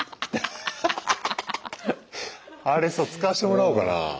あれさ使わしてもらおうかなあ。